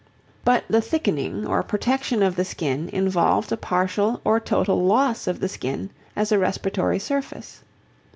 But the thickening or protection of the skin involved a partial or total loss of the skin as a respiratory surface.